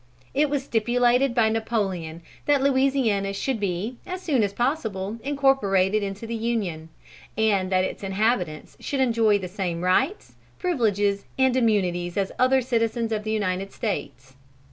It was stipulated by Napoleon that Louisiana should be, as soon as possible, incorporated into the Union; and that its inhabitants should enjoy the same rights, privileges, and immunities as other citizens of the United States.